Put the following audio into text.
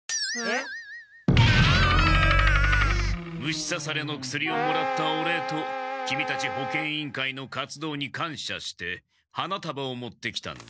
虫さされの薬をもらったお礼とキミたち保健委員会の活動にかんしゃして花たばを持ってきたんだ。